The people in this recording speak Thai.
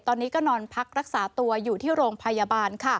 ตอนนี้ก็นอนพักรักษาตัวอยู่ที่โรงพยาบาล